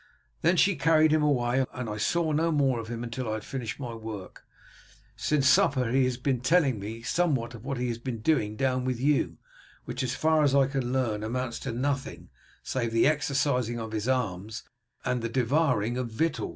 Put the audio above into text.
Then she carried him away, and I saw no more of him until I had finished my work. Since supper he has been telling me somewhat of what he has been doing down with you, which, as far as I can learn, amounts to nothing, save the exercising of his arms and the devouring of victuals."